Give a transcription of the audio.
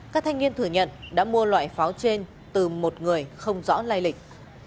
các thanh niên thừa nhận đã mua loại pháo trên từ một người không rõ lai lịch